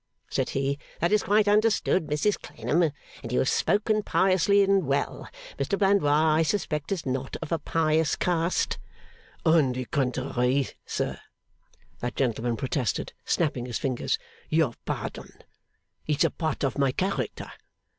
said he. 'That is quite understood, Mrs Clennam, and you have spoken piously and well. Mr Blandois, I suspect, is not of a pious cast.' 'On the contrary, sir!' that gentleman protested, snapping his fingers. 'Your pardon! It's a part of my character.